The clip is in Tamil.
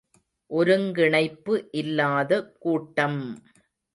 ஒருங்கிணைப்பு இல்லாத கூட்டம்!